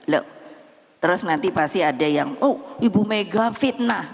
loh terus nanti pasti ada yang oh ibu mega fitnah